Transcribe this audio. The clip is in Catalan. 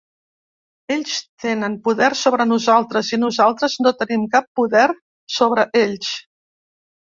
Ells tenen poder sobre nosaltres i nosaltres no tenim cap poder sobre ells.